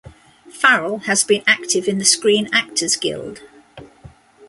Farrell has been active in the Screen Actors Guild.